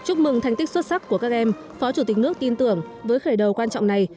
chúc mừng thành tích xuất sắc của các em phó chủ tịch nước tin tưởng với khởi đầu quan trọng này